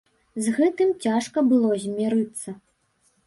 З гэтым цяжка было змірыцца.